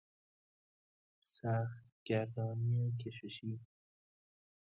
سخت گردانی کششی